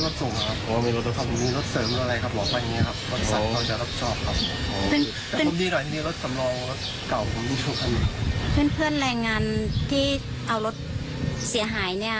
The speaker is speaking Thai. ตอนนี้เพื่อนร่วมโรจศาสตรากรรมเชื่อใจโกรธหูใจ